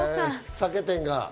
酒店が。